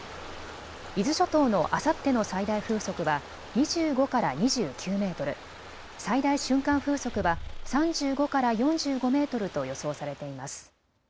伊豆諸島のあさっての最大風速は２５から２９メートル、最大瞬間風速は３５から４５メートルと予想されています。